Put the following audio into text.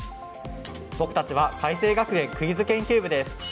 僕たちは開成学園クイズ研究部です。